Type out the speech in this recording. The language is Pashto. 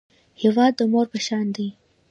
هېواد د مور په شان دی